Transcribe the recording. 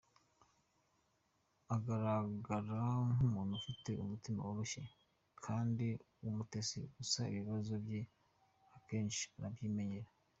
Agaragara nk’umuntu ufite umutima woroshye kandi w’umutesi gusa ibibazo bye akenshi arabyimenyera.